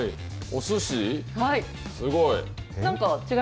すごい。